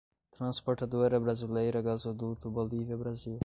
Transportadora Brasileira Gasoduto Bolívia‐Brasil